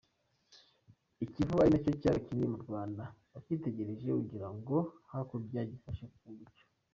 I Kivu ari nacyo kiyaga kinini mu Rwanda, ukitegereje agirango hakurya gifashe ku bicu .